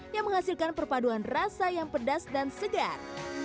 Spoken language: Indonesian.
yang menghasilkan perpaduan rasa yang pedas dan segar